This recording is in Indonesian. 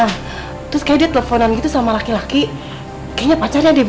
terus kayak dia teleponan gitu sama laki laki kayaknya pacarnya deh